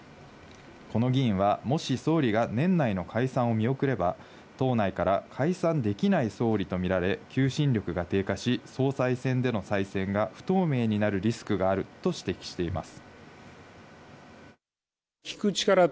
この議員は、もし総理が年内の解散を見送れば、党内から解散できない総理と見られ、求心力が低下し、総裁選での再選が不透明になるリスクがあると指摘しています。